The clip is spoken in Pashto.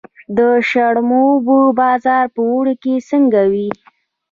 د شړومبو بازار په اوړي کې څنګه وي؟